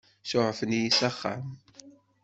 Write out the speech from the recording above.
Suɛfen-iyi s axxam.